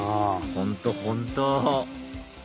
本当本当！